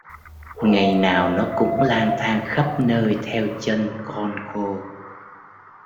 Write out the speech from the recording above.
ngày nào nó cũng lang thang khắp nơi theo chân con cô